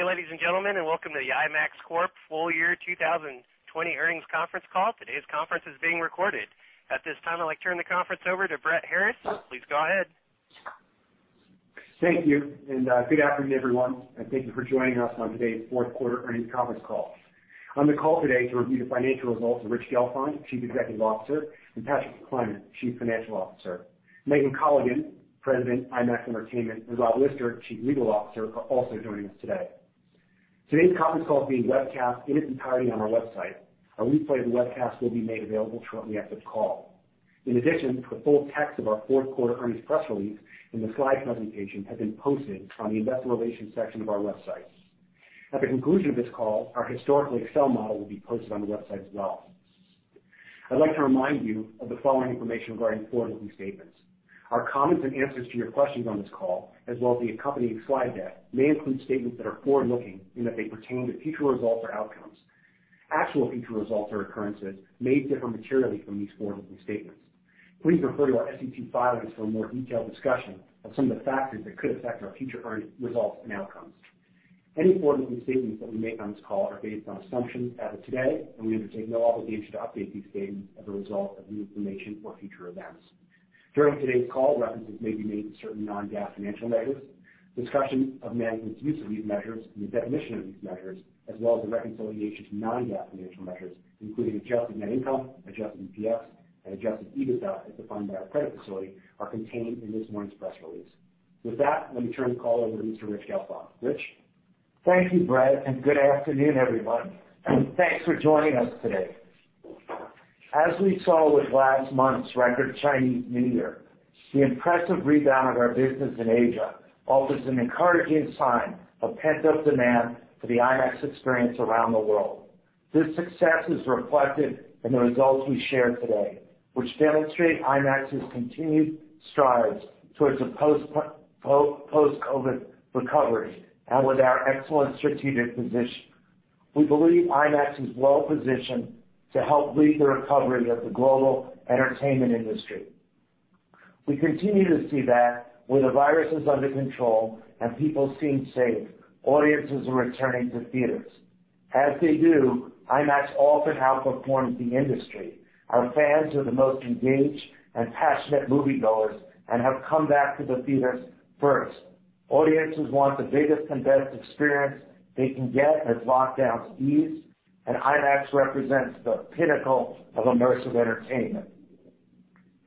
Good day, ladies and gentlemen, and welcome to the IMAX Corp full year 2020 earnings conference call. Today's conference is being recorded. At this time, I'd like to turn the conference over to Brett Harriss. Please go ahead. Thank you, and good afternoon, everyone. And thank you for joining us on today's fourth quarter earnings conference call. On the call today to review the financial results are Rich Gelfond, CEO, and Patrick McClymont, CFO. Megan Colligan, President of IMAX Entertainment, and Rob Lister, Chief Legal Officer, are also joining us today. Today's conference call is being webcast in its entirety on our website. A replay of the webcast will be made available shortly after the call. In addition, the full text of our fourth quarter earnings press release and the slide presentation have been posted on the investor relations section of our website. At the conclusion of this call, our historical Excel model will be posted on the website as well. I'd like to remind you of the following information regarding forward-looking statements. Our comments and answers to your questions on this call, as well as the accompanying slide deck, may include statements that are forward-looking in that they pertain to future results or outcomes. Actual future results or occurrences may differ materially from these forward-looking statements. Please refer to our SEC filings for a more detailed discussion of some of the factors that could affect our future earnings results and outcomes. Any forward-looking statements that we make on this call are based on assumptions as of today, and we undertake no obligation to update these statements as a result of new information or future events. During today's call, references may be made to certain non-GAAP financial measures. Discussion of management's use of these measures and the definition of these measures, as well as the reconciliation to non-GAAP financial measures, including adjusted net income, adjusted EPS, and adjusted EBITDA as defined by our credit facility, are contained in this morning's press release. With that, let me turn the call over to Mr. Rich Gelfond. Rich. Thank you, Brett, and good afternoon, everyone, and thanks for joining us today. As we saw with last month's record Chinese New Year, the impressive rebound of our business in Asia offers an encouraging sign of pent-up demand for the IMAX experience around the world. This success is reflected in the results we shared today, which demonstrate IMAX's continued strides toward a post-COVID recovery and with our excellent strategic position. We believe IMAX is well positioned to help lead the recovery of the global entertainment industry. We continue to see that, with the virus under control and people feeling safe, audiences are returning to theaters. As they do, IMAX often outperforms the industry. Our fans are the most engaged and passionate moviegoers and have come back to the theaters first. Audiences want the biggest and best experience they can get as lockdowns ease, and IMAX represents the pinnacle of immersive entertainment,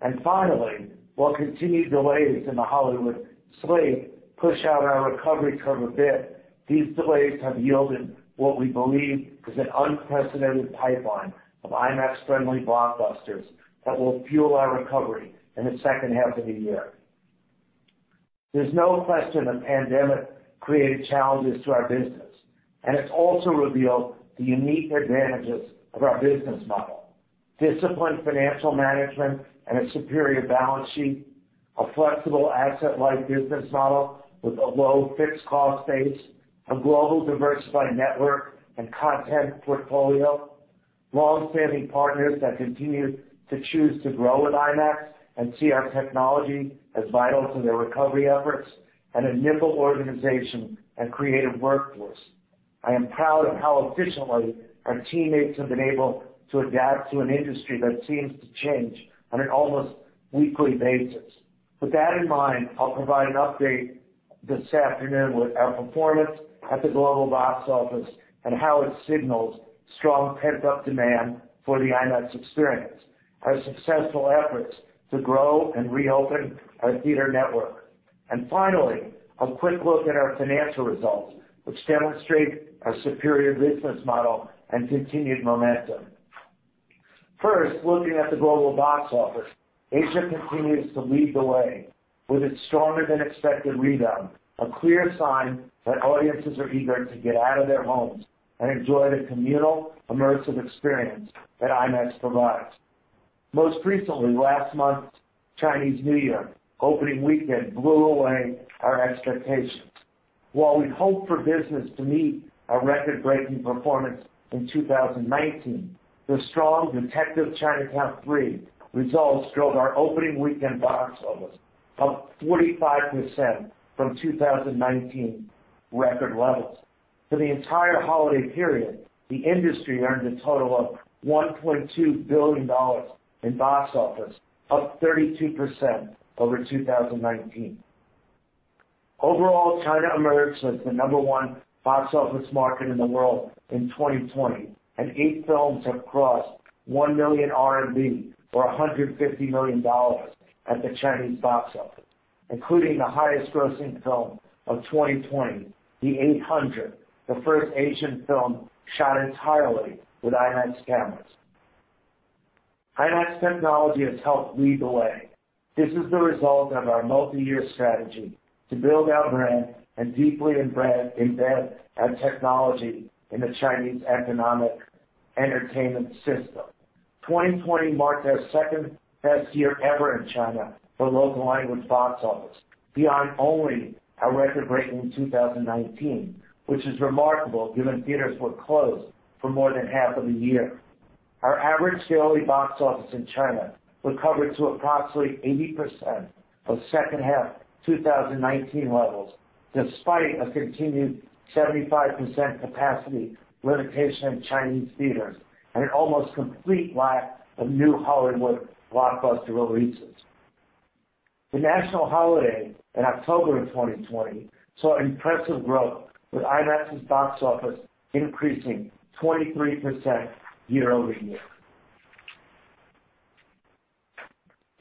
and finally, while continued delays in the Hollywood slate push out our recovery curve a bit, these delays have yielded what we believe is an unprecedented pipeline of IMAX-friendly blockbusters that will fuel our recovery in the second half of the year. There's no question the pandemic created challenges to our business, and it's also revealed the unique advantages of our business model: disciplined financial management and a superior balance sheet, a flexible asset-light business model with a low fixed cost base, a global diversified network and content portfolio, longstanding partners that continue to choose to grow with IMAX and see our technology as vital to their recovery efforts, and a nimble organization and creative workforce. I am proud of how efficiently our teammates have been able to adapt to an industry that seems to change on an almost weekly basis. With that in mind, I'll provide an update this afternoon with our performance at the global box office and how it signals strong pent-up demand for the IMAX experience, our successful efforts to grow and reopen our theater network, and finally, a quick look at our financial results, which demonstrate our superior business model and continued momentum. First, looking at the global box office, Asia continues to lead the way with its stronger-than-expected rebound, a clear sign that audiences are eager to get out of their homes and enjoy the communal immersive experience that IMAX provides. Most recently, last month's Chinese New Year opening weekend blew away our expectations. While we hoped for business to meet our record-breaking performance in 2019, the strong Detective Chinatown 3 results drove our opening weekend box office up 45% from 2019 record levels. For the entire holiday period, the industry earned a total of $1.2 billion in box office, up 32% over 2019. Overall, China emerged as the number one box office market in the world in 2020, and eight films have crossed 1 million RMB or $150 million at the Chinese box office, including the highest-grossing film of 2020, The Eight Hundred, the first Asian film shot entirely with IMAX cameras. IMAX technology has helped lead the way. This is the result of our multi-year strategy to build our brand and deeply embed our technology in the Chinese economic entertainment system. 2020 marked our second-best year ever in China for local language box office, beyond only our record-breaking 2019, which is remarkable given theaters were closed for more than half of a year. Our average daily box office in China recovered to approximately 80% of second-half 2019 levels, despite a continued 75% capacity limitation in Chinese theaters and an almost complete lack of new Hollywood blockbuster releases. The national holiday in October of 2020 saw impressive growth, with IMAX's box office increasing 23% year-over-year.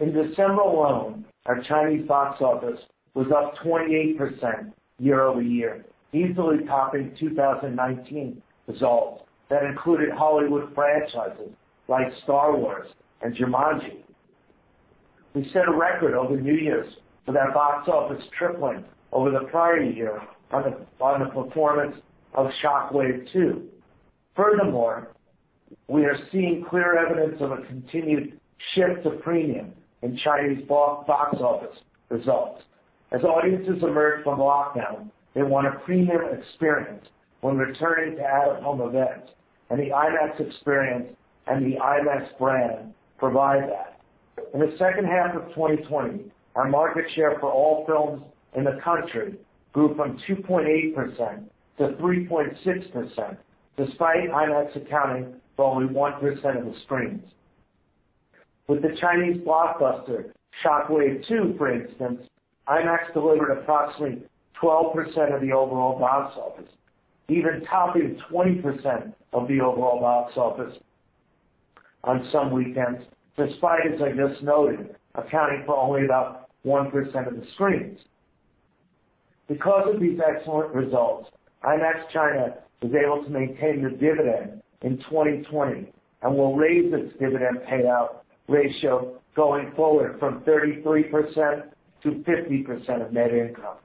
In December alone, our Chinese box office was up 28% year-over- year, easily topping 2019 results that included Hollywood franchises like Star Wars and Jumanji. We set a record over New Year's with our box office tripling over the prior year on the performance of Shock Wave 2. Furthermore, we are seeing clear evidence of a continued shift to premium in Chinese box office results. As audiences emerge from lockdown, they want a premium experience when returning to out-of-home events, and the IMAX experience and the IMAX brand provide that. In the second half of 2020, our market share for all films in the country grew from 2.8%-3.6%, despite IMAX accounting for only 1% of the screens. With the Chinese blockbuster Shock Wave 2, for instance, IMAX delivered approximately 12% of the overall box office, even topping 20% of the overall box office on some weekends, despite, as I just noted, accounting for only about 1% of the screens. Because of these excellent results, IMAX China was able to maintain the dividend in 2020 and will raise its dividend payout ratio going forward from 33%-50% of net income.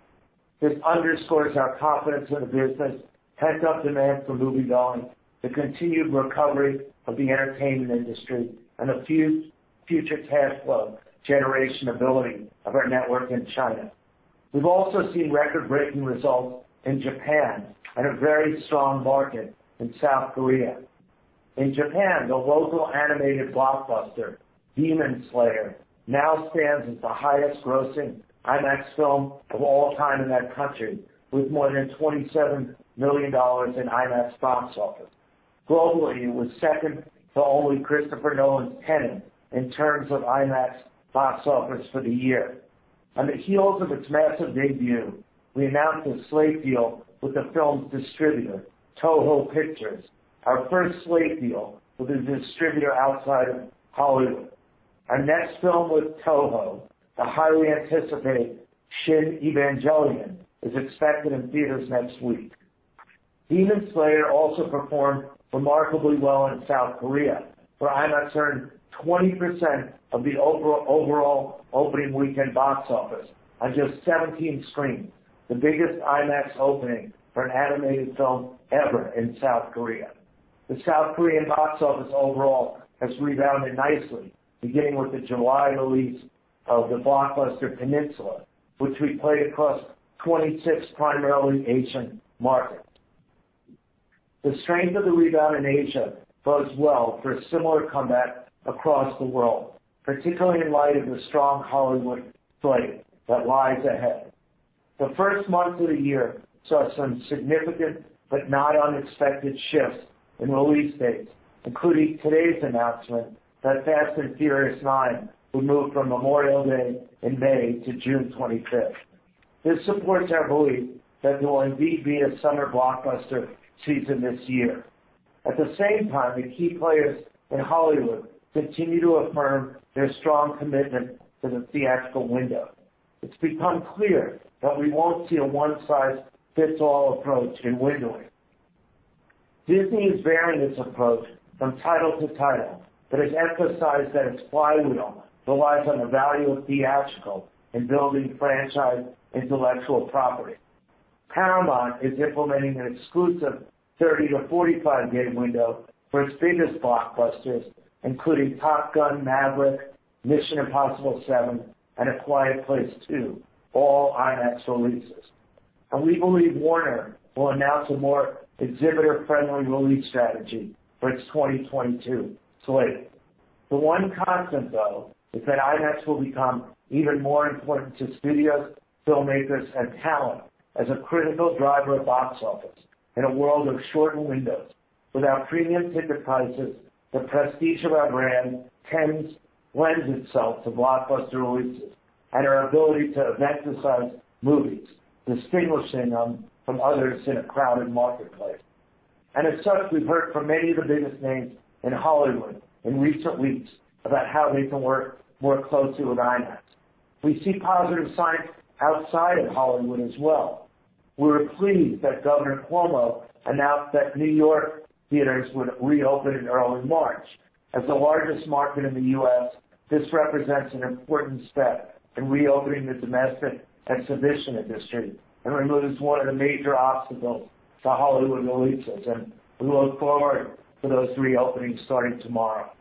This underscores our confidence in the business, pent-up demand for moviegoing, the continued recovery of the entertainment industry, and the future cash flow generation ability of our network in China. We've also seen record-breaking results in Japan and a very strong market in South Korea. In Japan, the local animated blockbuster Demon Slayer now stands as the highest-grossing IMAX film of all time in that country, with more than $27 million in IMAX box office. Globally, it was second to only Christopher Nolan's Tenet in terms of IMAX box office for the year. On the heels of its massive debut, we announced a slate deal with the film's distributor, Toho, our first slate deal with a distributor outside of Hollywood. Our next film with Toho, the highly anticipated Shin Evangelion, is expected in theaters next week. Demon Slayer also performed remarkably well in South Korea, where IMAX earned 20% of the overall opening weekend box office on just 17 screens, the biggest IMAX opening for an animated film ever in South Korea. The South Korean box office overall has rebounded nicely, beginning with the July release of the blockbuster Peninsula, which we played across 26 primarily Asian markets. The strength of the rebound in Asia bodes well for a similar comeback across the world, particularly in light of the strong Hollywood slate that lies ahead. The first month of the year saw some significant but not unexpected shifts in release dates, including today's announcement that Fast and Furious 9 would move from Memorial Day in May to June 25th. This supports our belief that there will indeed be a summer blockbuster season this year. At the same time, the key players in Hollywood continue to affirm their strong commitment to the theatrical window. It's become clear that we won't see a one-size-fits-all approach in windowing. Disney is varying its approach from title to title, but has emphasized that its flywheel relies on the value of theatrical in building franchise intellectual property. Paramount is implementing an exclusive 30-45-day window for its biggest blockbusters, including Top Gun: Maverick, Mission: Impossible 7, and A Quiet Place 2, all IMAX releases. And we believe Warner will announce a more exhibitor-friendly release strategy for its 2022 slate. The one constant, though, is that IMAX will become even more important to studios, filmmakers, and talent as a critical driver of box office in a world of shortened windows. With our premium ticket prices, the prestige of our brand lends itself to blockbuster releases and our ability to emphasize movies, distinguishing them from others in a crowded marketplace, and as such, we've heard from many of the biggest names in Hollywood in recent weeks about how they can work more closely with IMAX. We see positive signs outside of Hollywood as well. We're pleased that Governor Cuomo announced that New York theaters would reopen in early March. As the largest market in the U.S., this represents an important step in reopening the domestic exhibition industry and removes one of the major obstacles to Hollywood releases, and we look forward to those reopenings starting tomorrow.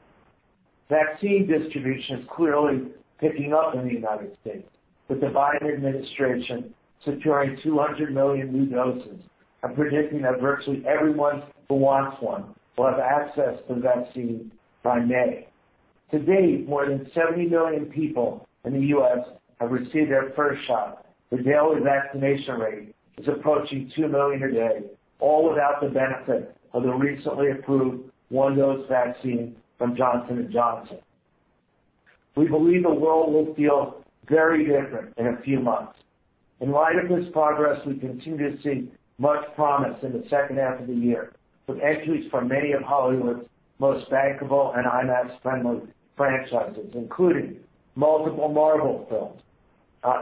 Vaccine distribution is clearly picking up in the United States, with the Biden administration securing 200 million new doses and predicting that virtually everyone who wants one will have access to the vaccine by May. To date, more than 70 million people in the U.S. have received their first shot. The daily vaccination rate is approaching two million a day, all without the benefit of the recently approved one-dose vaccine from Johnson & Johnson. We believe the world will feel very different in a few months. In light of this progress, we continue to see much promise in the second half of the year with entries from many of Hollywood's most bankable and IMAX-friendly franchises, including multiple Marvel films,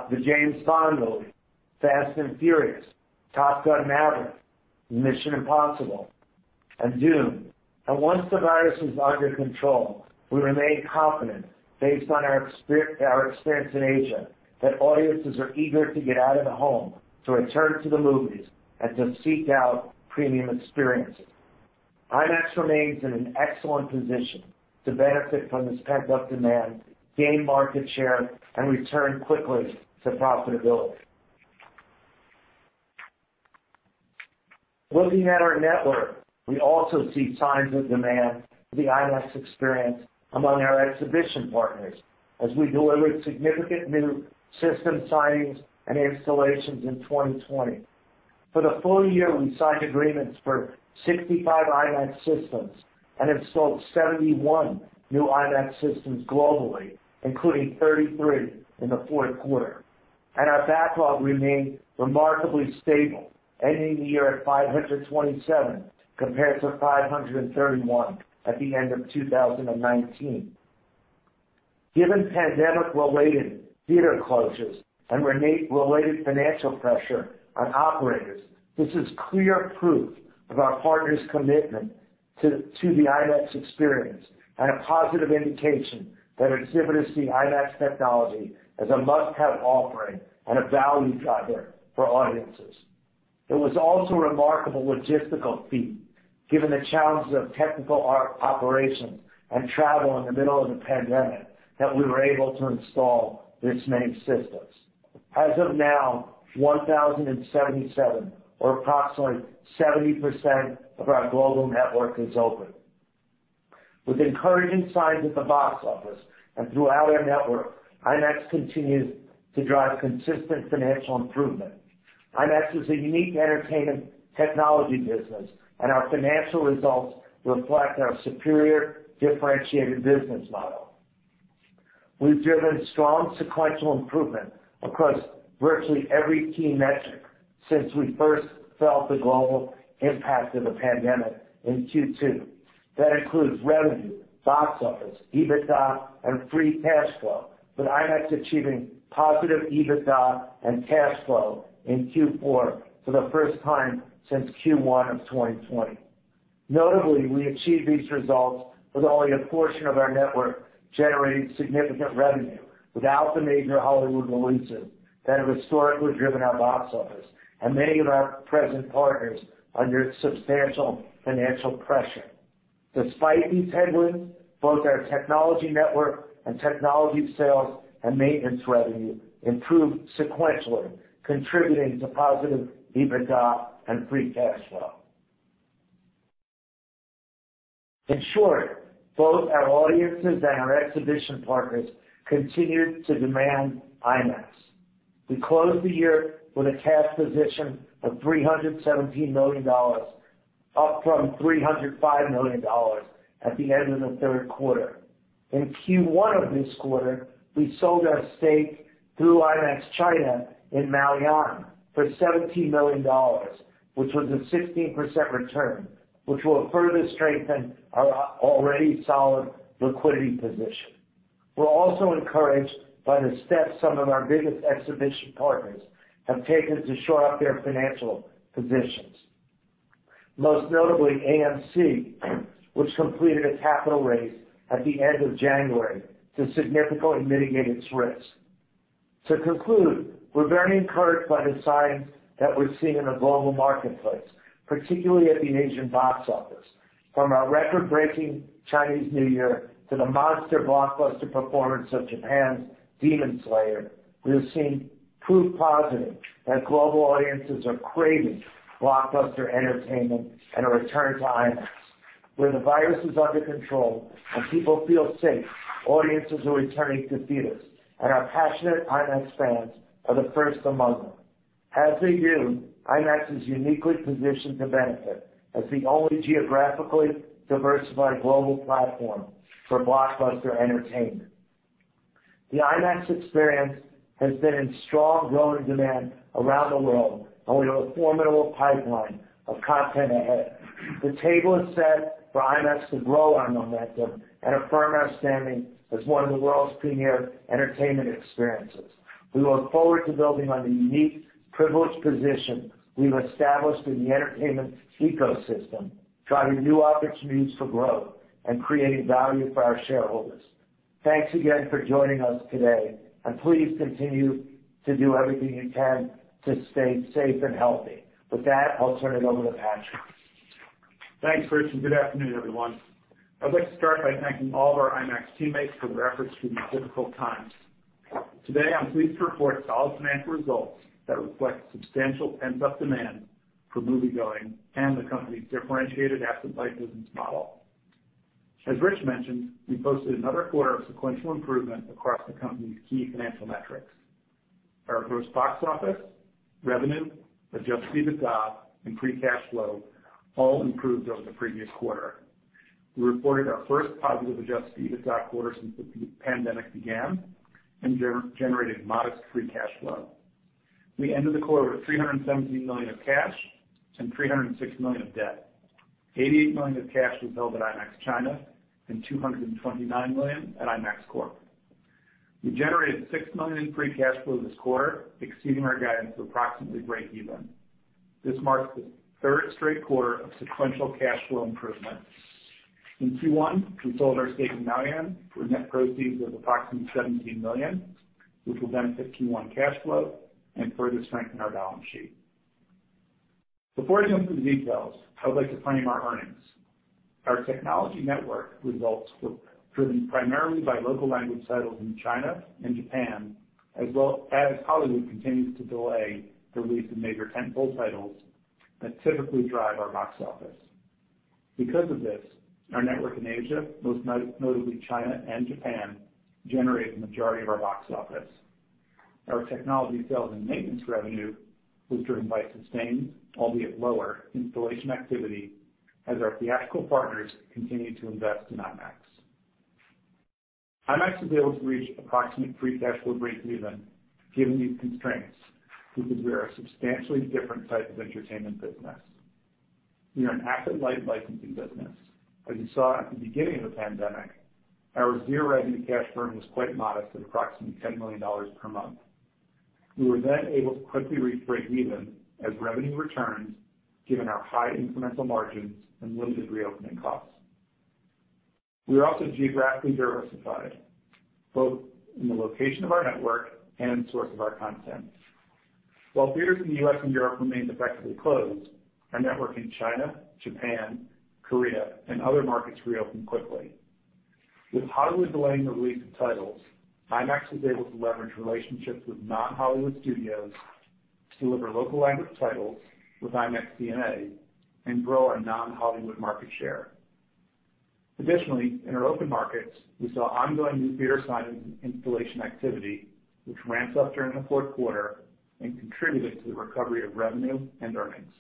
the James Bond movies, Fast and Furious, Top Gun: Maverick, Mission: Impossible, and Dune. And once the virus is under control, we remain confident, based on our experience in Asia, that audiences are eager to get out of the home to return to the movies and to seek out premium experiences. IMAX remains in an excellent position to benefit from this pent-up demand, gain market share, and return quickly to profitability. Looking at our network, we also see signs of demand for the IMAX experience among our exhibition partners as we delivered significant new system signings and installations in 2020. For the full year, we signed agreements for 65 IMAX systems and installed 71 new IMAX systems globally, including 33 in the fourth quarter, and our backlog remained remarkably stable, ending the year at 527 compared to 531 at the end of 2019. Given pandemic-related theater closures and related financial pressure on operators, this is clear proof of our partners' commitment to the IMAX experience and a positive indication that exhibitors see IMAX technology as a must-have offering and a value driver for audiences. It was also a remarkable logistical feat, given the challenges of technical operations and travel in the middle of the pandemic, that we were able to install this many systems. As of now, 1,077, or approximately 70% of our global network, is open. With encouraging signs at the box office and throughout our network, IMAX continues to drive consistent financial improvement. IMAX is a unique entertainment technology business, and our financial results reflect our superior differentiated business model. We've driven strong sequential improvement across virtually every key metric since we first felt the global impact of the pandemic in Q2. That includes revenue, box office, EBITDA, and free cash flow, with IMAX achieving positive EBITDA and cash flow in Q4 for the first time since Q1 of 2020. Notably, we achieved these results with only a portion of our network generating significant revenue without the major Hollywood releases that have historically driven our box office and many of our present partners under substantial financial pressure. Despite these headwinds, both our technology network and technology sales and maintenance revenue improved sequentially, contributing to positive EBITDA and free cash flow. In short, both our audiences and our exhibition partners continued to demand IMAX. We closed the year with a cash position of $317 million, up from $305 million at the end of the third quarter. In Q1 of this quarter, we sold our stake through IMAX China in Maoyan for $17 million, which was a 16% return, which will further strengthen our already solid liquidity position. We're also encouraged by the steps some of our biggest exhibition partners have taken to shore up their financial positions, most notably AMC, which completed a capital raise at the end of January to significantly mitigate its risk. To conclude, we're very encouraged by the signs that we're seeing in the global marketplace, particularly at the Asian box office. From our record-breaking Chinese New Year to the monster blockbuster performance of Japan's Demon Slayer, we have seen proof positive that global audiences are craving blockbuster entertainment and a return to IMAX. Where the virus is under control and people feel safe, audiences are returning to theaters, and our passionate IMAX fans are the first among them. As they do, IMAX is uniquely positioned to benefit as the only geographically diversified global platform for blockbuster entertainment. The IMAX Experience has been in strong growing demand around the world, and we have a formidable pipeline of content ahead. The table is set for IMAX to grow our momentum and affirm our standing as one of the world's premier entertainment experiences. We look forward to building on the unique privileged position we've established in the entertainment ecosystem, driving new opportunities for growth and creating value for our shareholders. Thanks again for joining us today, and please continue to do everything you can to stay safe and healthy. With that, I'll turn it over to Patrick. Thanks, Richard. Good afternoon, everyone. I'd like to start by thanking all of our IMAX teammates for their efforts through these difficult times. Today, I'm pleased to report solid financial results that reflect substantial pent-up demand for moviegoing and the company's differentiated asset-light business model. As Rich mentioned, we posted another quarter of sequential improvement across the company's key financial metrics. Our gross box office, revenue, adjusted EBITDA, and free cash flow all improved over the previous quarter. We reported our first positive adjusted EBITDA quarter since the pandemic began and generated modest free cash flow. We ended the quarter with $317 million of cash and $306 million of debt. $88 million of cash was held at IMAX China and $229 million at IMAX Corp. We generated $6 million in free cash flow this quarter, exceeding our guidance of approximately break-even. This marks the third straight quarter of sequential cash flow improvement. In Q1, we sold our stake in Maoyan for net proceeds of approximately $17 million, which will benefit Q1 cash flow and further strengthen our balance sheet. Before I jump into the details, I would like to frame our earnings. Our technology network results were driven primarily by local language titles in China and Japan, as well as Hollywood continues to delay the release of major tentpole titles that typically drive our box office. Because of this, our network in Asia, most notably China and Japan, generated the majority of our box office. Our technology sales and maintenance revenue was driven by sustained, albeit lower, installation activity as our theatrical partners continued to invest in IMAX. IMAX was able to reach approximate Free Cash Flow break-even given these constraints because we are a substantially different type of entertainment business. We are an asset-light licensing business. As you saw at the beginning of the pandemic, our zero revenue cash burn was quite modest at approximately $10 million per month. We were then able to quickly reach break-even as revenue returned given our high incremental margins and limited reopening costs. We are also geographically diversified, both in the location of our network and source of our content. While theaters in the U.S. and Europe remained effectively closed, our network in China, Japan, Korea, and other markets reopened quickly. With Hollywood delaying the release of titles, IMAX was able to leverage relationships with non-Hollywood studios to deliver local language titles with IMAX DNA and grow our non-Hollywood market share. Additionally, in our open markets, we saw ongoing new theater signings and installation activity, which ramped up during the fourth quarter and contributed to the recovery of revenue and earnings.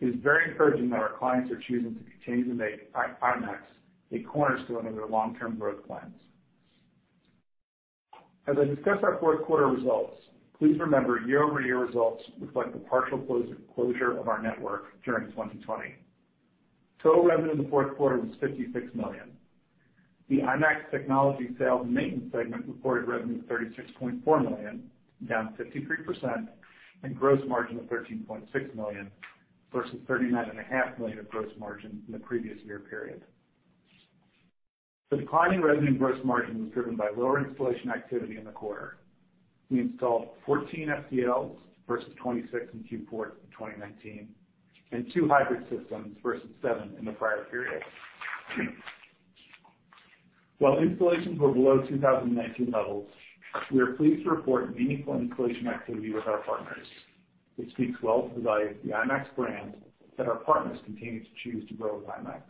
It is very encouraging that our clients are choosing to continue to make IMAX a cornerstone of their long-term growth plans. As I discuss our fourth quarter results, please remember year-over-year results reflect the partial closure of our network during 2020. Total revenue in the fourth quarter was $56 million. The IMAX technology sales and maintenance segment reported revenue of $36.4 million, down 53%, and gross margin of $13.6 million versus $39.5 million of gross margin in the previous year period. The declining revenue and gross margin was driven by lower installation activity in the quarter. We installed 14 STLs versus 26 in Q4 of 2019 and two hybrid systems versus seven in the prior period. While installations were below 2019 levels, we are pleased to report meaningful installation activity with our partners. This speaks well to the value of the IMAX brand that our partners continue to choose to grow with IMAX.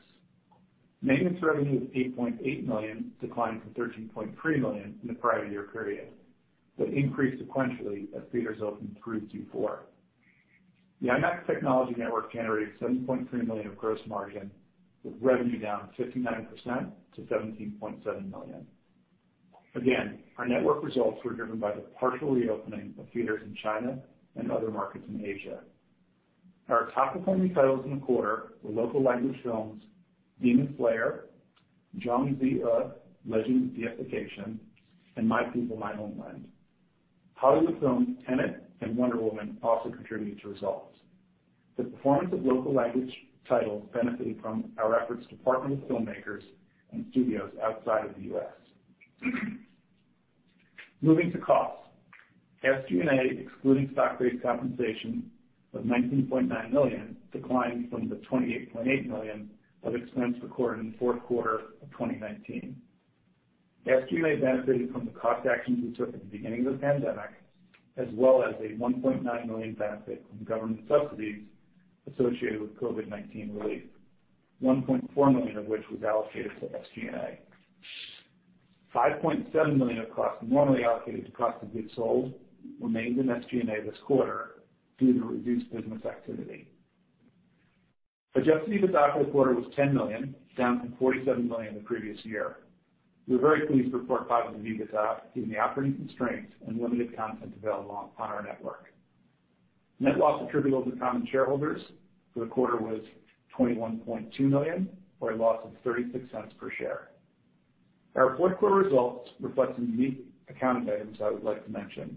Maintenance revenue of $8.8 million declined from $13.3 million in the prior year period but increased sequentially as theaters opened through Q4. The IMAX technology network generated $7.3 million of gross margin, with revenue down 59% to $17.7 million. Again, our network results were driven by the partial reopening of theaters in China and other markets in Asia. Our top performing titles in the quarter were local language films, Demon Slayer, Jiang Ziya: Legend of Deification, and My People, My Homeland. Hollywood films Tenet and Wonder Woman also contributed to results. The performance of local language titles benefited from our efforts to partner with filmmakers and studios outside of the U.S. Moving to costs, SG&A, excluding stock-based compensation of $19.9 million, declined from the $28.8 million of expense recorded in the fourth quarter of 2019. SG&A benefited from the cost actions we took at the beginning of the pandemic, as well as a $1.9 million benefit from government subsidies associated with COVID-19 relief, $1.4 million of which was allocated to SG&A. $5.7 million of costs normally allocated to cost of goods sold remained in SG&A this quarter due to reduced business activity. Adjusted EBITDA for the quarter was $10 million, down from $47 million the previous year. We're very pleased to report positive EBITDA given the operating constraints and limited content available on our network. Net loss attributable to common shareholders for the quarter was $21.2 million, or a loss of $0.36 per share. Our fourth quarter results reflect some unique accounting items I would like to mention.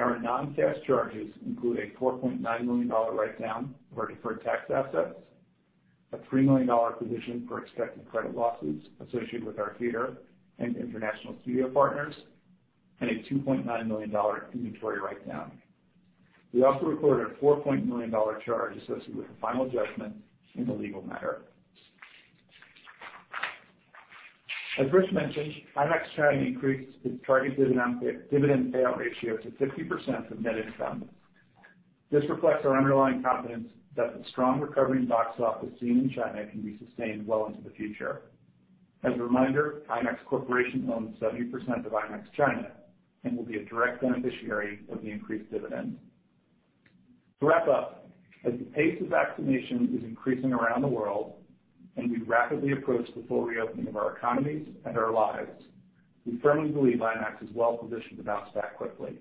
Our non-cash charges include a $4.9 million write-down of our deferred tax assets, a $3 million provision for expected credit losses associated with our theater and international studio partners, and a $2.9 million inventory write-down. We also recorded a $4.0 million charge associated with the final judgment in the legal matter. As Rich mentioned, IMAX China increased its target dividend payout ratio to 50% from net income. This reflects our underlying confidence that the strong recovery in box office seen in China can be sustained well into the future. As a reminder, IMAX Corporation owns 70% of IMAX China and will be a direct beneficiary of the increased dividend. To wrap up, as the pace of vaccination is increasing around the world and we rapidly approach the full reopening of our economies and our lives, we firmly believe IMAX is well positioned to bounce back quickly.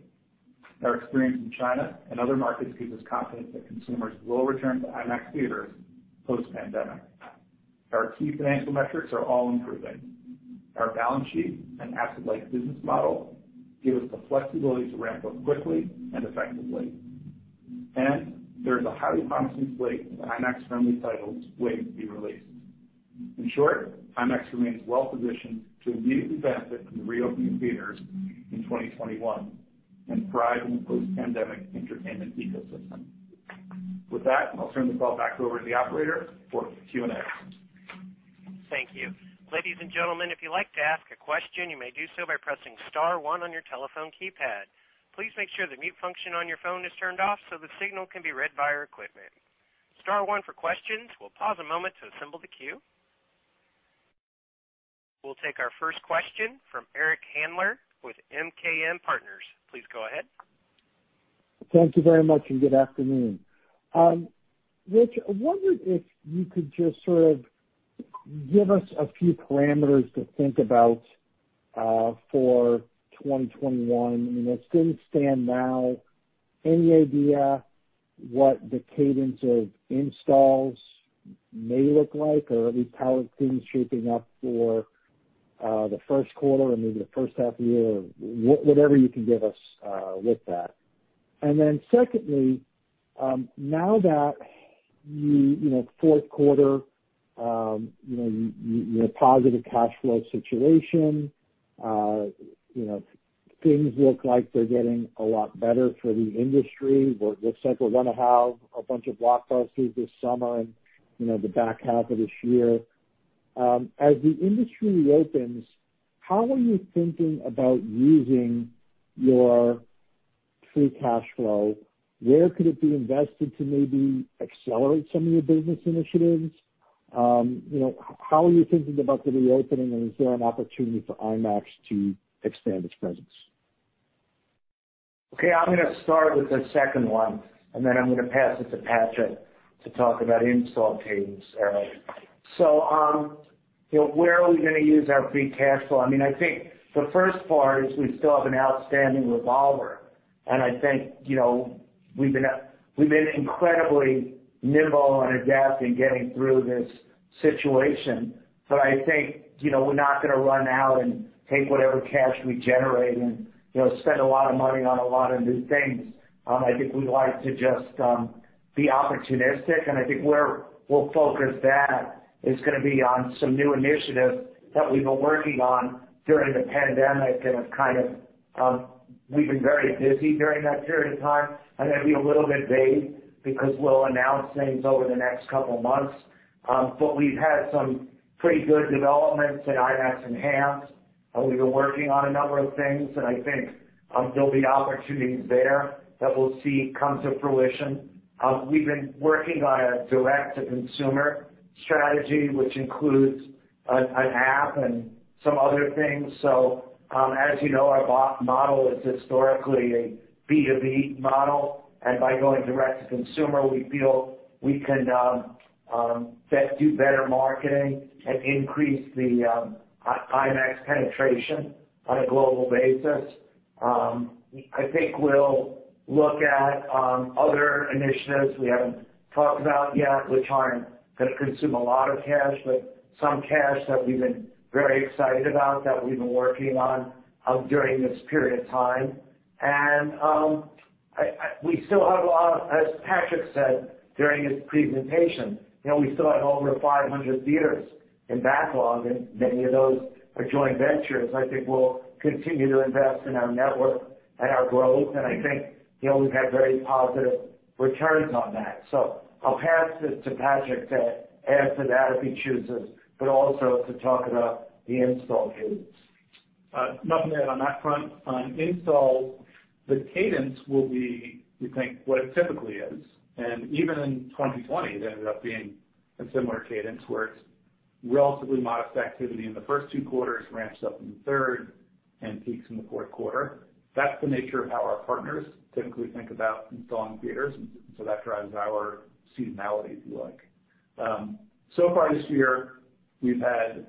Our experience in China and other markets gives us confidence that consumers will return to IMAX theaters post-pandemic. Our key financial metrics are all improving. Our balance sheet and asset-light business model give us the flexibility to ramp up quickly and effectively. And there is a highly promising slate of IMAX-friendly titles waiting to be released. In short, IMAX remains well positioned to immediately benefit from the reopening of theaters in 2021 and thrive in the post-pandemic entertainment ecosystem. With that, I'll turn the call back over to the operator for Q&A. Thank you. Ladies and gentlemen, if you'd like to ask a question, you may do so by pressing Star 1 on your telephone keypad. Please make sure the mute function on your phone is turned off so the signal can be read by our equipment. Star 1 for questions. We'll pause a moment to assemble the queue. We'll take our first question from Eric Handler with MKM Partners. Please go ahead. Thank you very much and good afternoon. Rich, I wondered if you could just sort of give us a few parameters to think about for 2021? I mean, as things stand now, any idea what the cadence of installs may look like, or at least how things are shaping up for the first quarter and maybe the first half of the year, whatever you can give us with that? And then secondly, now that fourth quarter, you have a positive cash flow situation, things look like they're getting a lot better for the industry. It looks like we're going to have a bunch of blockbusters this summer and the back half of this year. As the industry reopens, how are you thinking about using your free cash flow? Where could it be invested to maybe accelerate some of your business initiatives? How are you thinking about the reopening, and is there an opportunity for IMAX to expand its presence? Okay. I'm going to start with the second one, and then I'm going to pass it to Patrick to talk about install cadence earlier. So where are we going to use our free cash flow? I mean, I think the first part is we still have an outstanding revolver, and I think we've been incredibly nimble and adapting and getting through this situation. But I think we're not going to run out and take whatever cash we generate and spend a lot of money on a lot of new things. I think we'd like to just be opportunistic, and I think where we'll focus that is going to be on some new initiatives that we've been working on during the pandemic. And kind of we've been very busy during that period of time. I'm going to be a little bit vague because we'll announce things over the next couple of months. But we've had some pretty good developments at IMAX Enhanced. We've been working on a number of things, and I think there'll be opportunities there that we'll see come to fruition. We've been working on a direct-to-consumer strategy, which includes an app and some other things. So as you know, our model is historically a B2B model. And by going direct-to-consumer, we feel we can do better marketing and increase the IMAX penetration on a global basis. I think we'll look at other initiatives we haven't talked about yet, which aren't going to consume a lot of cash, but some cash that we've been very excited about, that we've been working on during this period of time. And we still have, as Patrick said during his presentation, we still have over 500 theaters in backlog, and many of those are joint ventures. I think we'll continue to invest in our network and our growth, and I think we've had very positive returns on that. So I'll pass it to Patrick to answer that if he chooses, but also to talk about the install cadence. Nothing to add on that front. On installs, the cadence will be, we think, what it typically is. And even in 2020, it ended up being a similar cadence where it's relatively modest activity in the first two quarters, ramps up in the third, and peaks in the fourth quarter. That's the nature of how our partners typically think about installing theaters, and so that drives our seasonality, if you like. So far this year, we've had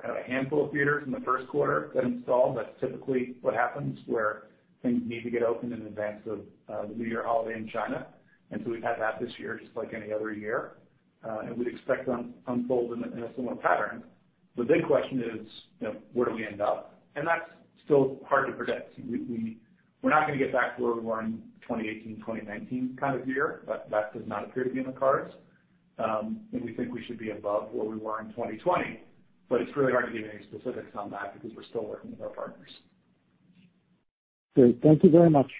kind of a handful of theaters in the first quarter that installed. That's typically what happens where things need to get open in advance of the New Year holiday in China. And so we've had that this year just like any other year, and we'd expect them to unfold in a similar pattern. The big question is, where do we end up? And that's still hard to predict. We're not going to get back to where we were in the 2018, 2019 kind of year, but that does not appear to be in the cards. And we think we should be above where we were in 2020, but it's really hard to give any specifics on that because we're still working with our partners. Great. Thank you very much.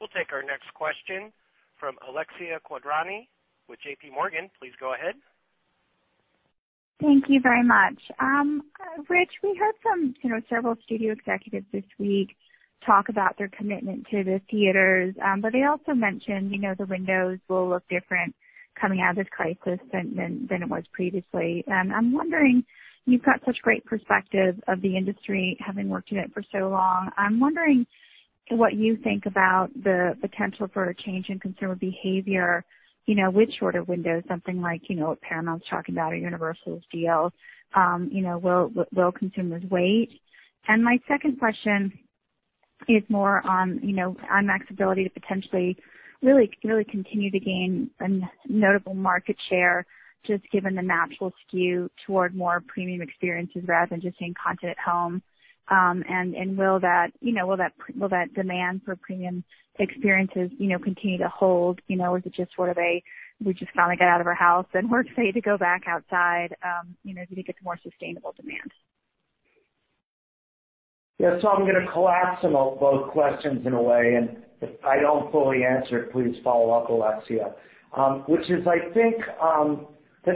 We'll take our next question from Alexia Quadrani with J.P. Morgan. Please go ahead. Thank you very much. Rich, we heard from several studio executives this week talk about their commitment to the theaters, but they also mentioned the windows will look different coming out of this crisis than it was previously. I'm wondering, you've got such great perspective of the industry, having worked in it for so long. I'm wondering what you think about the potential for a change in consumer behavior with shorter windows, something like what Paramount's talking about or Universal's deal. Will consumers wait? And my second question is more on IMAX's ability to potentially really continue to gain a notable market share just given the natural skew toward more premium experiences rather than just seeing content at home. And will that demand for premium experiences continue to hold? Is it just sort of a, "We just finally got out of our house and we're excited to go back outside," as we think it's more sustainable demand? Yeah. So I'm going to collapse on both questions in a way. And if I don't fully answer it, please follow up, Alexia. Which is, I think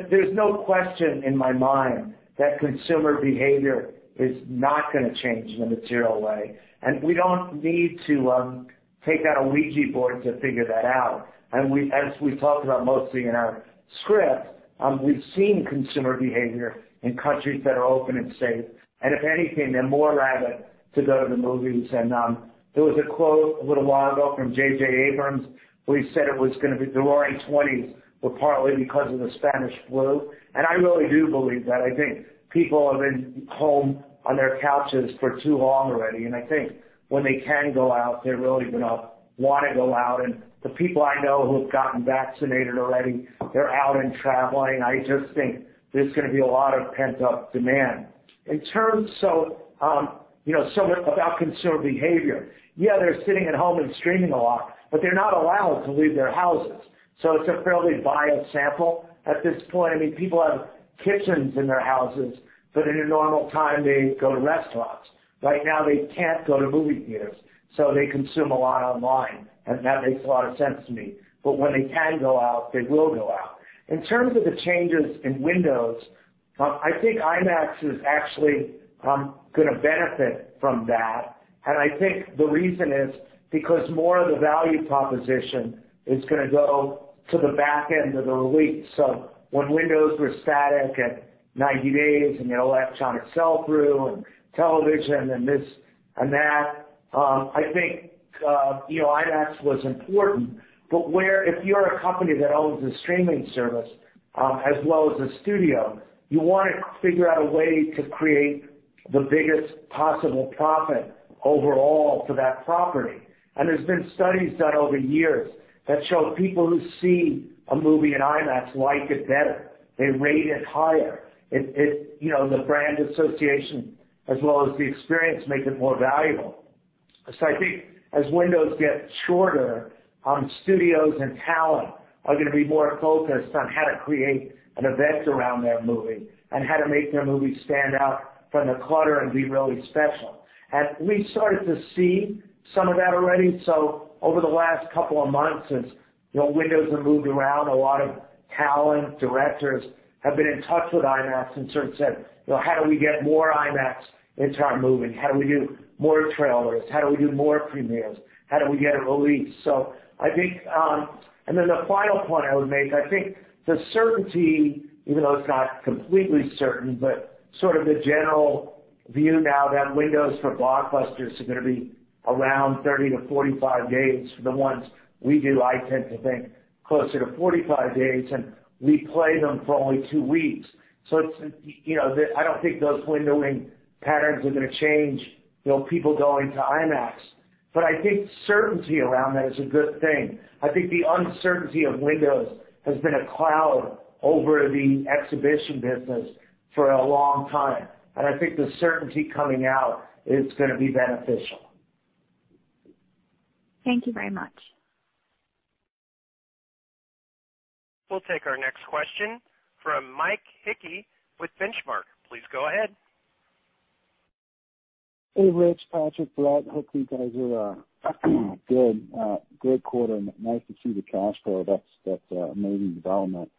there's no question in my mind that consumer behavior is not going to change in a material way. And we don't need to take out a Ouija board to figure that out. And as we talked about mostly in our script, we've seen consumer behavior in countries that are open and safe. And if anything, they're more relevant to go to the movies. And there was a quote a little while ago from J.J. Abrams. He said it was going to be the roaring '20s, but partly because of the Spanish flu. And I really do believe that. I think people have been home on their couches for too long already. And I think when they can go out, they're really going to want to go out. And the people I know who have gotten vaccinated already, they're out and traveling. I just think there's going to be a lot of pent-up demand. In terms of somewhat about consumer behavior, yeah, they're sitting at home and streaming a lot, but they're not allowed to leave their houses. So it's a fairly biased sample at this point. I mean, people have kitchens in their houses, but in a normal time, they go to restaurants. Right now, they can't go to movie theaters, so they consume a lot online. And that makes a lot of sense to me. But when they can go out, they will go out. In terms of the changes in windows, I think IMAX is actually going to benefit from that. And I think the reason is because more of the value proposition is going to go to the back end of the release. So when windows were static at 90 days and you had electronic sell-through and television and this and that, I think IMAX was important. But if you're a company that owns a streaming service as well as a studio, you want to figure out a way to create the biggest possible profit overall for that property. And there's been studies done over the years that show people who see a movie at IMAX like it better. They rate it higher. The brand association as well as the experience make it more valuable. So I think as windows get shorter, studios and talent are going to be more focused on how to create an event around their movie and how to make their movie stand out from the clutter and be really special. And we've started to see some of that already. So over the last couple of months, as windows have moved around, a lot of talent, directors have been in touch with IMAX in terms of, "How do we get more IMAX into our movie? How do we do more trailers? How do we do more premieres? How do we get it released?" So I think, and then the final point I would make, I think the certainty, even though it's not completely certain, but sort of the general view now that windows for blockbusters are going to be around 30-45 days for the ones we do. I tend to think closer to 45 days, and we play them for only two weeks. So I don't think those windowing patterns are going to change people going to IMAX. But I think certainty around that is a good thing. I think the uncertainty of windows has been a cloud over the exhibition business for a long time, and I think the certainty coming out is going to be beneficial. Thank you very much. We'll take our next question from Mike Hickey with Benchmark. Please go ahead. Hey, Rich. Patrick, Brett, Hickey, guys. Good quarter. Nice to see the cash flow. That's an amazing development.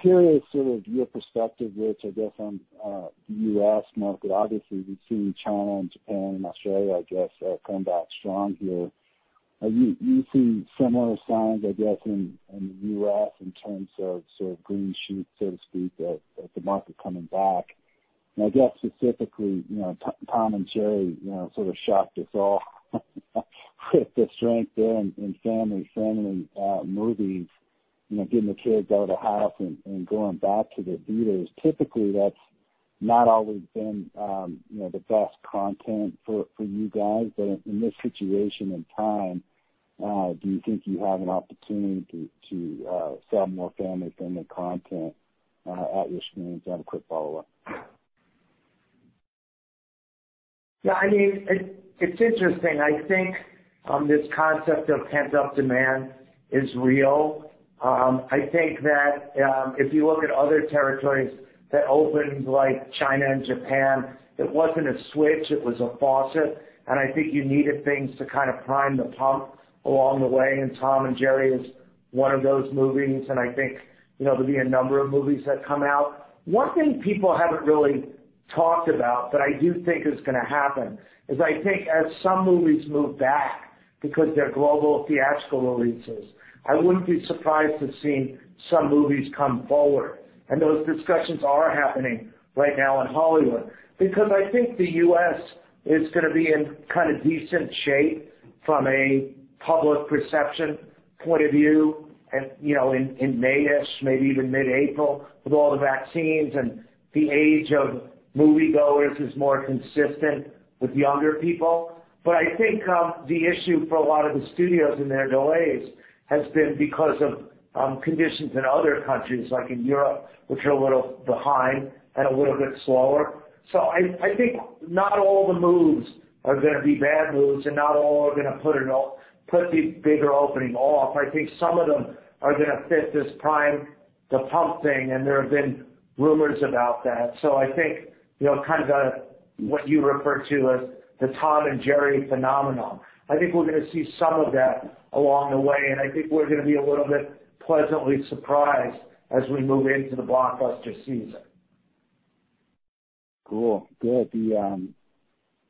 Curious sort of your perspective, Rich, I guess, on the US market. Obviously, we've seen China and Japan and Australia, I guess, come back strong here. You see similar signs, I guess, in the US in terms of sort of green shoots, so to speak, of the market coming back, and I guess specifically, Tom and Jerry sort of shocked us all with the strength in family-friendly movies, getting the kids out of the house and going back to the theaters. Typically, that's not always been the best content for you guys. But in this situation and time, do you think you have an opportunity to sell more family-friendly content at your screens? I have a quick follow-up. Yeah. I mean, it's interesting. I think this concept of pent-up demand is real. I think that if you look at other territories that opened like China and Japan, it wasn't a switch. It was a faucet. And I think you needed things to kind of prime the pump along the way. And Tom and Jerry is one of those movies. And I think there'll be a number of movies that come out. One thing people haven't really talked about, but I do think is going to happen, is I think as some movies move back because they're global theatrical releases, I wouldn't be surprised to see some movies come forward. Those discussions are happening right now in Hollywood because I think the U.S. is going to be in kind of decent shape from a public perception point of view in May-ish, maybe even mid-April, with all the vaccines. The age of moviegoers is more consistent with younger people. But I think the issue for a lot of the studios and their delays has been because of conditions in other countries, like in Europe, which are a little behind and a little bit slower. So I think not all the moves are going to be bad moves, and not all are going to put the bigger opening off. I think some of them are going to fit this prime-to-pump thing, and there have been rumors about that. So I think kind of what you refer to as the Tom and Jerry phenomenon, I think we're going to see some of that along the way. And I think we're going to be a little bit pleasantly surprised as we move into the blockbuster season. Cool. Good. The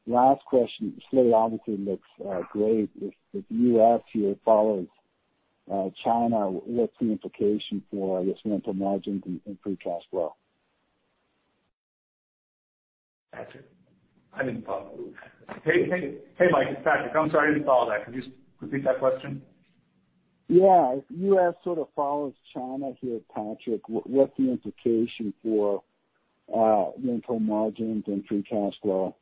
last question, slate obviously looks great. If the U.S. here follows China, what's the implication for, I guess, rental margins and free cash flow? Patrick. I didn't follow. Hey, Mike. Patrick, I'm sorry I didn't follow that. Could you repeat that question? Yeah. If the U.S. sort of follows China here, Patrick, what's the implication for rental margins and free cash flow?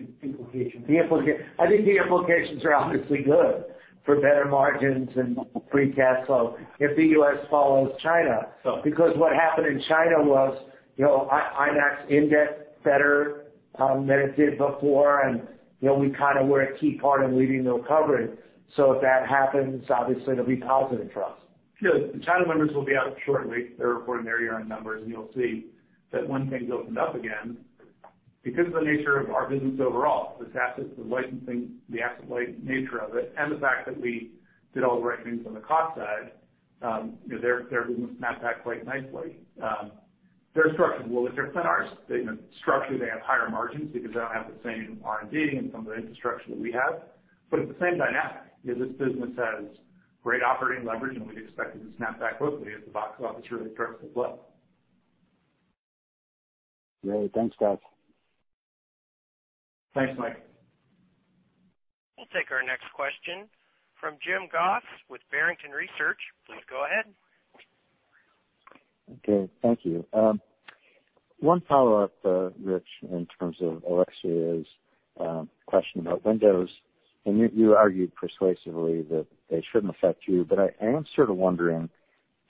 The implications. I think the implications are obviously good for better margins and free cash flow if the U.S. follows China. Because what happened in China was IMAX indexed better than it did before, and we kind of were a key part in leading the recovery. So if that happens, obviously, it'll be positive for us. Yeah. The China numbers will be out shortly. They're reporting their year-end numbers, and you'll see that when things opened up again, because of the nature of our business overall, the assets, the licensing, the asset-like nature of it, and the fact that we did all the right things on the cost side, their business snapped back quite nicely. Their structure will be different than ours. They structurally have higher margins because they don't have the same R&D and some of the infrastructure that we have. But it's the same dynamic. This business has great operating leverage, and we'd expect it to snap back quickly if the box office really starts to flood. Great. Thanks, guys. Thanks, Mike. We'll take our next question from Jim Goss with Barrington Research. Please go ahead. Okay. Thank you. One follow-up, Rich, in terms of Alexia's question about windows. And you argued persuasively that they shouldn't affect you. But I am sort of wondering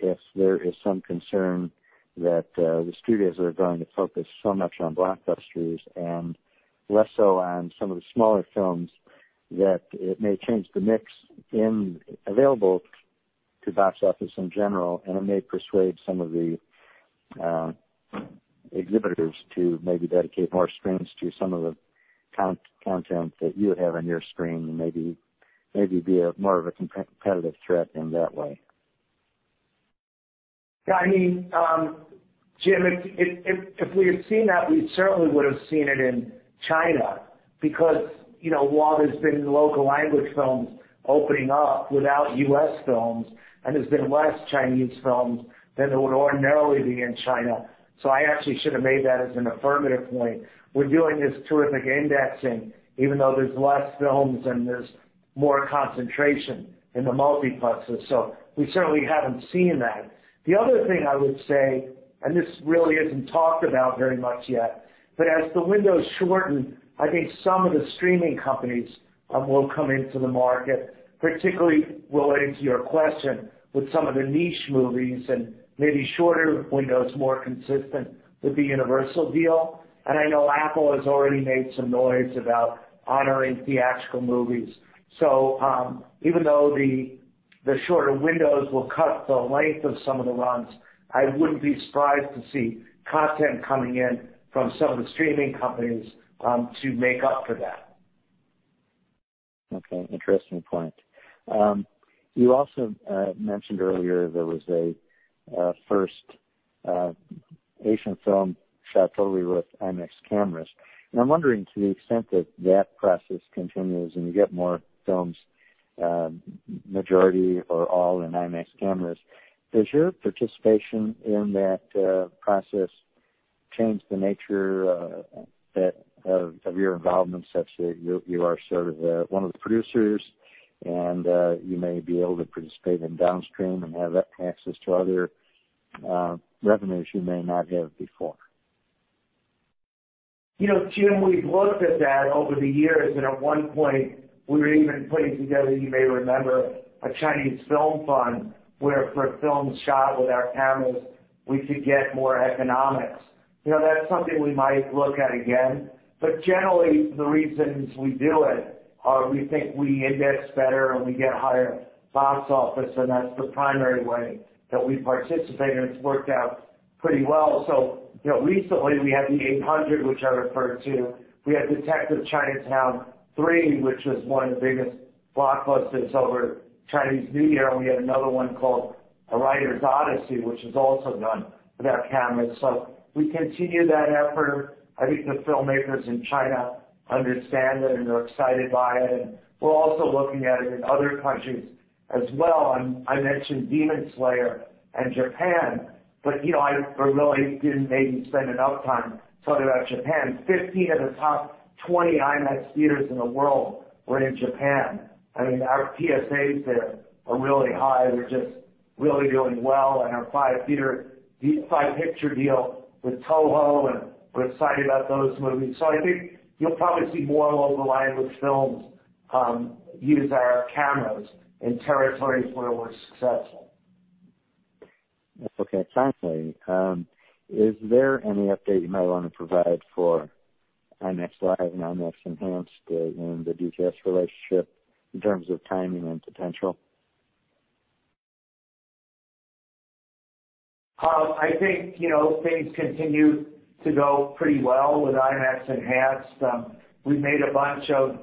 if there is some concern that the studios are going to focus so much on blockbusters and less so on some of the smaller films that it may change the mix available to box office in general, and it may persuade some of the exhibitors to maybe dedicate more screens to some of the content that you have on your screen and maybe be more of a competitive threat in that way. Yeah. I mean, Jim, if we had seen that, we certainly would have seen it in China because while there's been local language films opening up without U.S. films and there's been less Chinese films than there would ordinarily be in China. So I actually should have made that as an affirmative point. We're doing this terrific indexing, even though there's less films and there's more concentration in the multiplexes. So we certainly haven't seen that. The other thing I would say, and this really isn't talked about very much yet, but as the windows shorten, I think some of the streaming companies will come into the market, particularly related to your question with some of the niche movies and maybe shorter windows more consistent with the Universal deal. And I know Apple has already made some noise about honoring theatrical movies. So even though the shorter windows will cut the length of some of the runs, I wouldn't be surprised to see content coming in from some of the streaming companies to make up for that. Okay. Interesting point. You also mentioned earlier there was a first Asian film shot totally with IMAX cameras. And I'm wondering to the extent that that process continues and you get more films, majority or all, in IMAX cameras, does your participation in that process change the nature of your involvement such that you are sort of one of the producers and you may be able to participate in downstream and have access to other revenues you may not have before? Jim, we've looked at that over the years. And at one point, we were even putting together, you may remember, a Chinese film fund where for films shot with our cameras, we could get more economics. That's something we might look at again. But generally, the reasons we do it are we think we index better and we get higher box office. And that's the primary way that we participate. And it's worked out pretty well. So recently, we had The Eight Hundred, which I referred to. We had Detective Chinatown 3, which was one of the biggest blockbusters over Chinese New Year. And we had another one called A Writer's Odyssey, which was also done with our cameras. So we continue that effort. I think the filmmakers in China understand it and are excited by it. And we're also looking at it in other countries as well. I mentioned Demon Slayer and Japan, but we really didn't maybe spend enough time talking about Japan. 15 of the top 20 IMAX theaters in the world were in Japan. I mean, our PSAs there are really high. We're just really doing well on our five-picture deal with Toho, and we're excited about those movies, so I think you'll probably see more along the line with films use our cameras in territories where we're successful. Okay. Timeframe. Is there any update you might want to provide for IMAX Live and IMAX Enhanced and the DTS relationship in terms of timing and potential? I think things continue to go pretty well with IMAX Enhanced. We've made a bunch of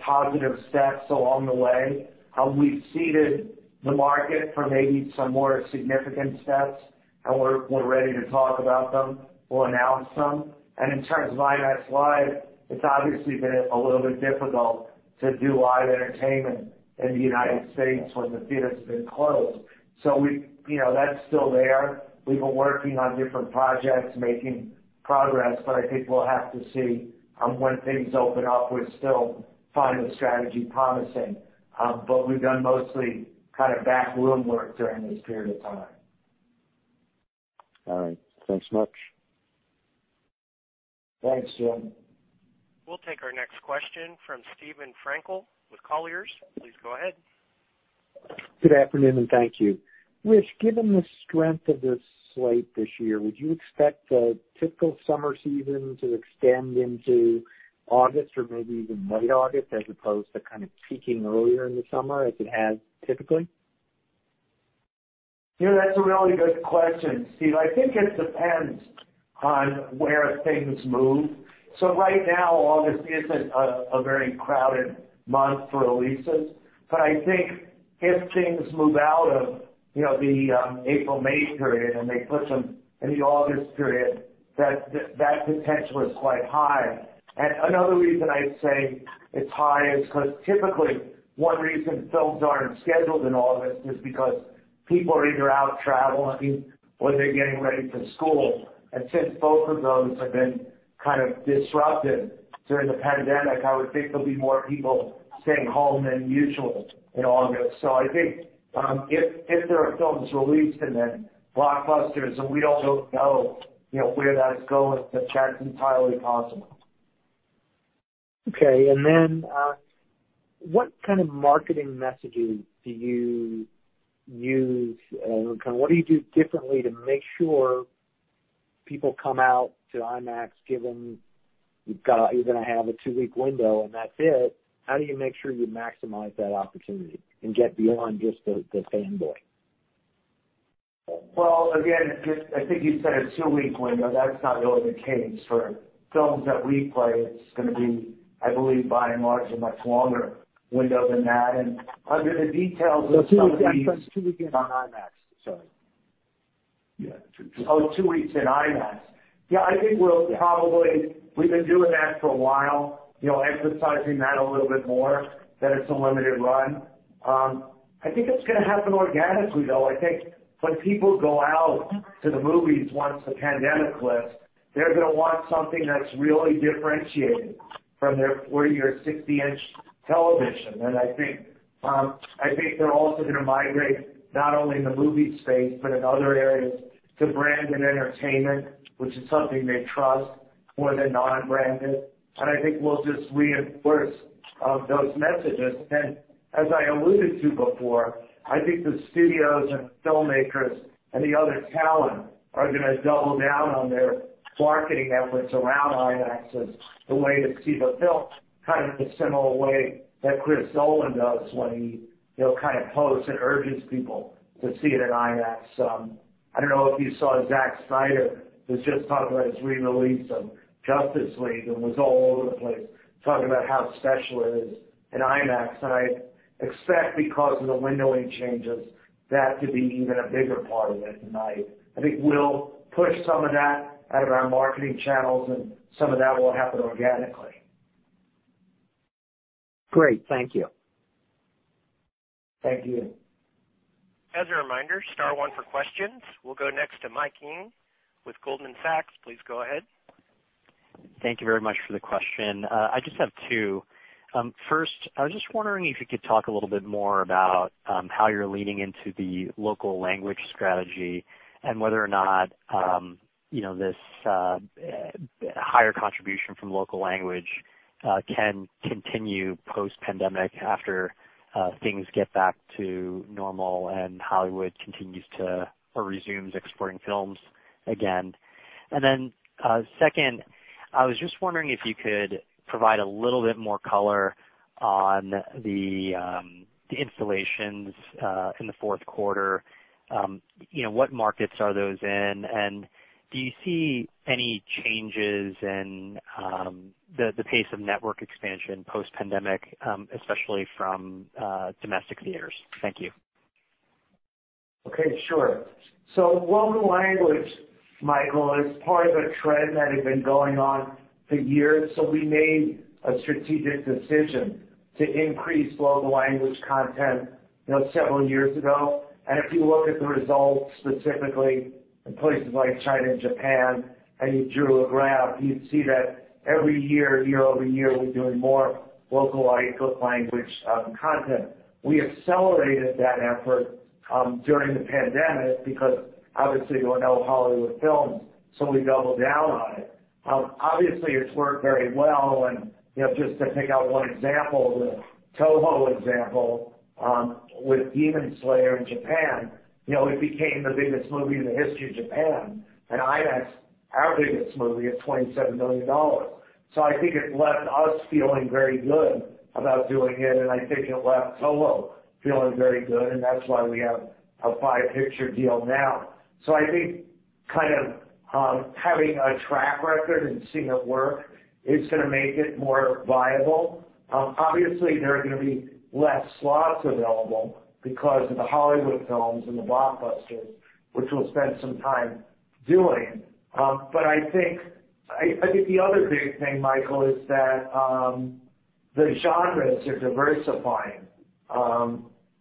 positive steps along the way. We've seeded the market for maybe some more significant steps, and we're ready to talk about them. We'll announce them. In terms of IMAX Live, it's obviously been a little bit difficult to do live entertainment in the United States when the theaters have been closed. That's still there. We've been working on different projects, making progress. I think we'll have to see when things open up. We're still finding the strategy promising. We've done mostly kind of backroom work during this period of time. All right. Thanks much. Thanks, Jim. We'll take our next question from Steven Frankel with Colliers. Please go ahead. Good afternoon and thank you. Rich, given the strength of the slate this year, would you expect the typical summer season to extend into August or maybe even late August as opposed to kind of peaking earlier in the summer as it has typically? That's a really good question, Steve. I think it depends on where things move. So right now, August isn't a very crowded month for releases. But I think if things move out of the April, May period and they put them in the August period, that potential is quite high. And another reason I'd say it's high is because typically, one reason films aren't scheduled in August is because people are either out traveling or they're getting ready for school. And since both of those have been kind of disrupted during the pandemic, I would think there'll be more people staying home than usual in August. So I think if there are films released and then blockbusters and we don't know where that's going, that's entirely possible. Okay. And then what kind of marketing messages do you use? What do you do differently to make sure people come out to IMAX given you're going to have a two-week window and that's it? How do you make sure you maximize that opportunity and get beyond just the fanboy? Well, again, I think you said a two-week window. That's not really the case for films that we play. It's going to be, I believe, by and large, a much longer window than that. And under the details of some of these. That's why I asked on IMAX. Sorry. Yeah. Oh, two weeks in IMAX. Yeah. I think we've been doing that for a while, emphasizing that a little bit more that it's a limited run. I think it's going to happen organically, though. I think when people go out to the movies once the pandemic lifts, they're going to want something that's really differentiated from their 40- or 60-inch television. I think they're also going to migrate not only in the movie space but in other areas to branded entertainment, which is something they trust more than non-branded. I think we'll just reinforce those messages. Then, as I alluded to before, I think the studios and the filmmakers and the other talent are going to double down on their marketing efforts around IMAX as a way to see the film kind of the similar way that Christopher Nolan does when he kind of posts and urges people to see it in IMAX. I don't know if you saw Zack Snyder was just talking about his re-release of Justice League and was all over the place talking about how special it is in IMAX. I expect, because of the windowing changes, that to be even a bigger part of it tonight. I think we'll push some of that out of our marketing channels, and some of that will happen organically. Great. Thank you. Thank you. As a reminder, star one for questions. We'll go next to Mike Ng with Goldman Sachs. Please go ahead. Thank you very much for the question. I just have two. First, I was just wondering if you could talk a little bit more about how you're leading into the local language strategy and whether or not this higher contribution from local language can continue post-pandemic after things get back to normal and Hollywood continues to or resumes exporting films again. And then second, I was just wondering if you could provide a little bit more color on the installations in the fourth quarter. What markets are those in? And do you see any changes in the pace of network expansion post-pandemic, especially from domestic theaters? Thank you. Okay. Sure. So local language, Michael, is part of a trend that had been going on for years. So we made a strategic decision to increase local language content several years ago. And if you look at the results specifically in places like China and Japan, and you drew a graph, you'd see that every year, year over year, we're doing more localized local language content. We accelerated that effort during the pandemic because, obviously, we had no Hollywood films, so we doubled down on it. Obviously, it's worked very well. And just to pick out one example, the Toho example with Demon Slayer in Japan, it became the biggest movie in the history of Japan. And IMAX, our biggest movie, is $27 million. So I think it left us feeling very good about doing it. And I think it left Toho feeling very good. And that's why we have a five-picture deal now. So I think kind of having a track record and seeing it work is going to make it more viable. Obviously, there are going to be less slots available because of the Hollywood films and the blockbusters, which we'll spend some time doing. But I think the other big thing, Michael, is that the genres are diversifying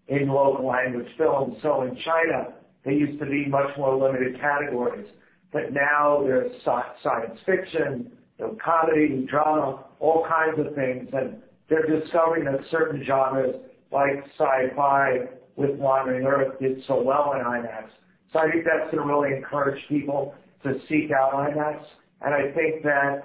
in local language films. So in China, they used to be much more limited categories. But now there's science fiction, there's comedy, drama, all kinds of things. And they're discovering that certain genres like sci-fi with The Wandering Earth did so well on IMAX. So I think that's going to really encourage people to seek out IMAX. And I think that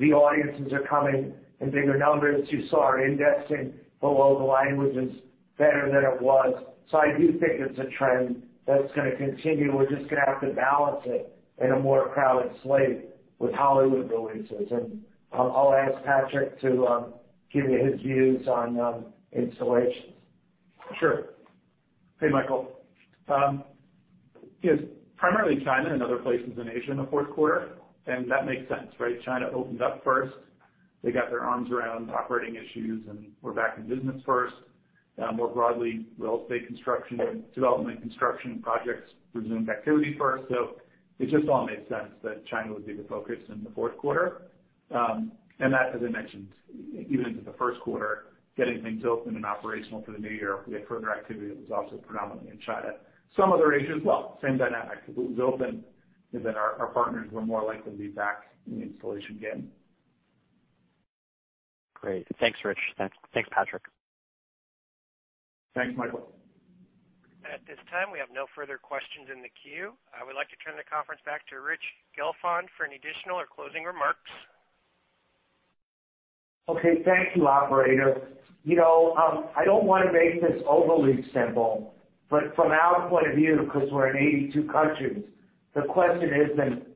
the audiences are coming in bigger numbers. You saw our indexing for local languages better than it was. So I do think it's a trend that's going to continue. We're just going to have to balance it in a more crowded slate with Hollywood releases. And I'll ask Patrick to give you his views on installations. Sure. Hey, Michael. Primarily China and other places in Asia in the fourth quarter. And that makes sense, right? China opened up first. They got their arms around operating issues and were back in business first. More broadly, real estate construction, development, construction projects resumed activity first. So it just all makes sense that China would be the focus in the fourth quarter. And that, as I mentioned, even into the first quarter, getting things open and operational for the new year, we had further activity that was also predominantly in China. Some other Asia as well. Same dynamic. If it was open, then our partners were more likely to be back in the installation game. Great. Thanks, Rich. Thanks, Patrick. Thanks, Michael. At this time, we have no further questions in the queue. I would like to turn the conference back to Rich Gelfond for any additional or closing remarks. Okay. Thank you, operator. I don't want to make this overly simple, but from our point of view, because we're in 82 countries, the question isn't,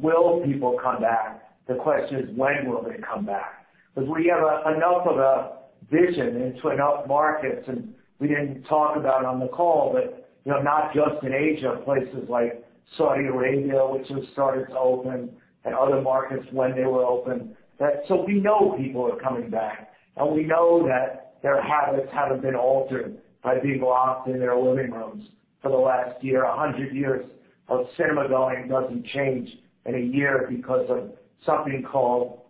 "Will people come back?" The question is, "When will they come back?" Because we have enough of a vision into enough markets, and we didn't talk about it on the call, but not just in Asia, places like Saudi Arabia, which has started to open, and other markets when they were open. So we know people are coming back. We know that their habits haven't been altered by being locked in their living rooms for the last year. 100 years of cinema going doesn't change in a year because of something called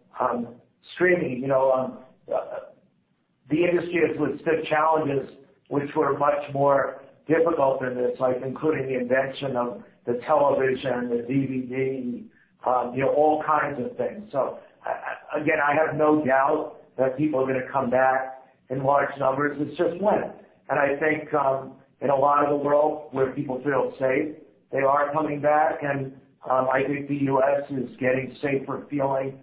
streaming. The industry has withstood challenges, which were much more difficult than this, including the invention of the television, the DVD, all kinds of things. So again, I have no doubt that people are going to come back in large numbers. It's just when. I think in a lot of the world where people feel safe, they are coming back. I think the U.S. is getting a safer feeling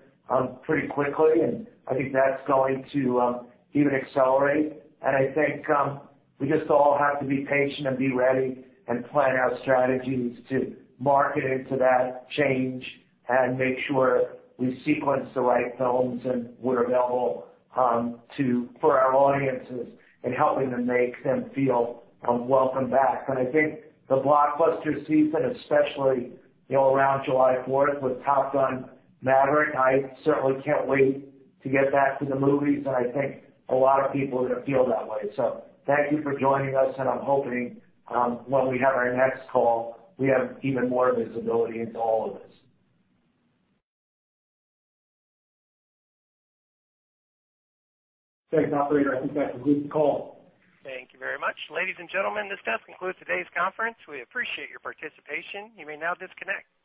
pretty quickly. I think that's going to even accelerate. And I think we just all have to be patient and be ready and plan our strategies to market into that change and make sure we sequence the right films and what are available for our audiences and helping them make them feel welcome back. And I think the blockbuster season, especially around July 4th with Top Gun: Maverick. I certainly can't wait to get back to the movies. And I think a lot of people are going to feel that way. So thank you for joining us. And I'm hoping when we have our next call, we have even more visibility into all of this. Thanks, operator. I think that concludes the call. Thank you very much. Ladies and gentlemen, this does conclude today's conference. We appreciate your participation. You may now disconnect.